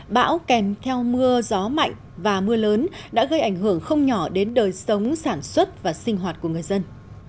bão kèm theo mưa gió mạnh và mưa lớn đã gây ảnh hưởng không nhỏ đến đời sống sản xuất và sinh hoạt của người dân